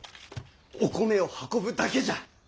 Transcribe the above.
お米を運ぶだけじゃ！